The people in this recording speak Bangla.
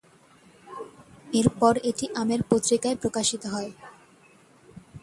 এরপর এটি আমের পত্রিকায় প্রকাশিত হয়।